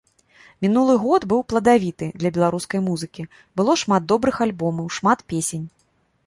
Мінулы год быў пладавіты для беларускай музыкі, было шмат добрых альбомаў, шмат песень.